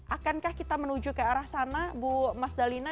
akankah kita menuju ke arah sana bu mas dalina